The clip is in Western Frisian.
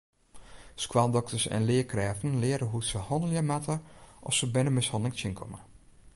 Skoaldokters en learkrêften leare hoe't se hannelje moatte at se bernemishanneling tsjinkomme.